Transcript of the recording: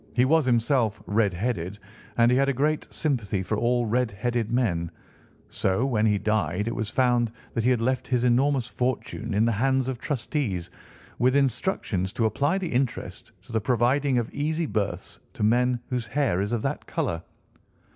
He was himself red headed, and he had a great sympathy for all red headed men; so, when he died, it was found that he had left his enormous fortune in the hands of trustees, with instructions to apply the interest to the providing of easy berths to men whose hair is of that colour.